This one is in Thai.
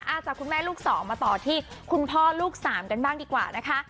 อาจจะคุ้นแม่ลูก๒มาต่อที่คุณพ่อลูก๓กันบ้างดีกว่านะคะ